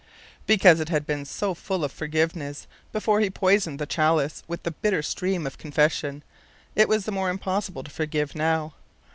Because it had been so full of forgiveness before he poisoned the chalice with the bitter stream of confession, it was the more impossible to forgive now.